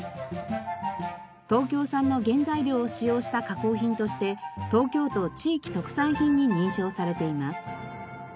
東京産の原材料を使用した加工品として東京都地域特産品に認証されています。